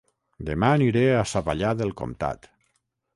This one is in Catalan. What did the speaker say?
Dema aniré a Savallà del Comtat